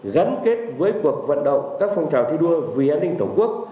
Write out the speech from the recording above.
gắn kết với cuộc vận động các phong trào thi đua vì an ninh tổ quốc